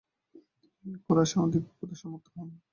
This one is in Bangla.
তিনি খোরাসান অধিকার করতে সমর্থ হন।